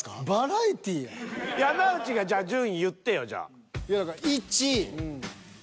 山内が順位言ってよじゃあ。